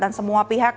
dan semua pihak